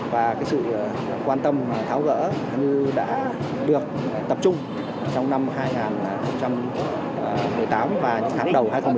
và sự quan tâm tháo gỡ như đã được tập trung trong năm hai nghìn một mươi tám và những tháng đầu hai nghìn một mươi chín